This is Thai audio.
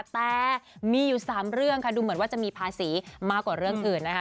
แต่มีอยู่๓เรื่องค่ะดูเหมือนว่าจะมีภาษีมากกว่าเรื่องอื่นนะคะ